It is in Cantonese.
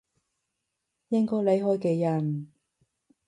應該離開嘅人